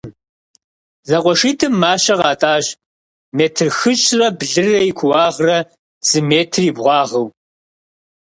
Зэкъуэшитӏым мащэ къатӏащ метр хыщӏрэ блырэ и кууагърэ зы метр и бгъуагъыу.